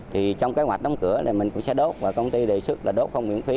thì trong kế hoạch đóng cửa này mình cũng sẽ đốt và công ty đề xuất là đốt không miễn phí